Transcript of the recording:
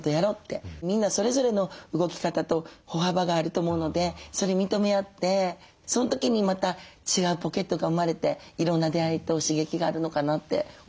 みんなそれぞれの動き方と歩幅があると思うのでそれ認め合ってその時にまた違うポケットが生まれていろんな出会いと刺激があるのかなって思いましたね。